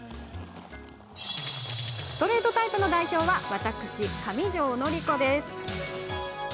ストレートタイプ代表は私、上條倫子。